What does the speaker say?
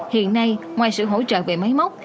hiện nay ngoài sự hỗ trợ về máy móc